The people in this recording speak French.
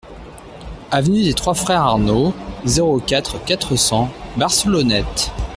Avenue des Trois Frères Arnaud, zéro quatre, quatre cents Barcelonnette